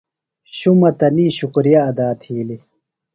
شُمہ تنی شُکریہ ادا تھِیلیۡ۔